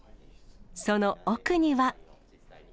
その奥には。